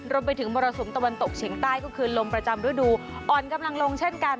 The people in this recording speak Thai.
มรสุมตะวันตกเฉียงใต้ก็คือลมประจำฤดูอ่อนกำลังลงเช่นกัน